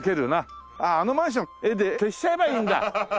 あああのマンション絵で消しちゃえばいいんだ！